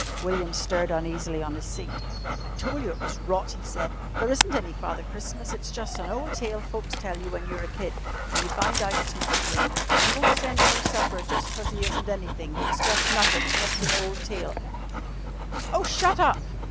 William stirred uneasily on his seat. "I tol' you it was rot," he said. "There isn't any Father Christmas. It's jus' an' ole tale folks tell you when you're a kid, an' you find out it's not true. He won't send no supper jus' cause he isn't anythin'. He's jus' nothin' jus' an ole tale " "Oh, shut _up!